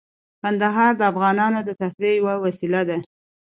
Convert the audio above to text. کندهار د افغانانو د تفریح یوه وسیله ده.